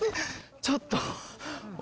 ちょっと。